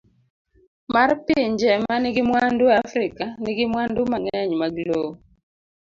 D. mar Pinje ma nigi mwandu e Afrika, nigi mwandu mang'eny mag lowo.